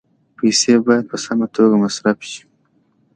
پیسې باید په سمه توګه مصرف شي.